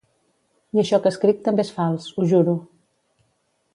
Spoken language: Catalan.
I això que escric també és fals, ho juro.